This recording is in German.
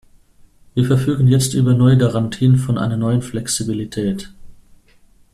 Wir verfügen jetzt über neue Garantien von einer neuen Flexibilität.